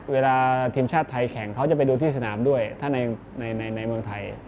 เวลาทีมชาติไทยแข่งเขาจะไปดูที่สนามด้วยถ้าในเมืองไทย